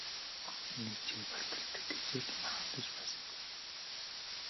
Энэ үдшийг болтол тэд хэзээ ч маргалдаж байсангүй.